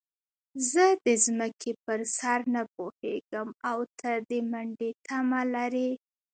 زه د ځمکې پر سر نه پوهېږم او ته د منډې تمه لرې.